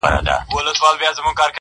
جهاني غزل دي نوی شرنګ اخیستی!